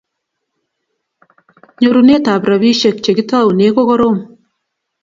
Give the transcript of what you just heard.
Nyorunet ab ropishek Che ketoune ko korom